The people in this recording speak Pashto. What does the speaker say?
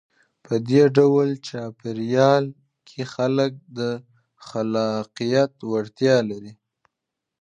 په دې ډول چاپېریال کې خلک د خلاقیت وړتیا لري.